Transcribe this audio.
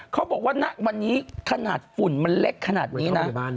เขาบอกว่าณวันนี้ขนาดฝุ่นมันเล็กขนาดนี้นะ